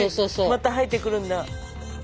また生えてくるんだ。